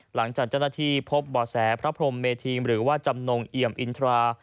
หลังจากเจ้าหน้าที่พบบ่อแสพระพรมเมธีมหรือว่าจำนงเอี่ยมอินทรา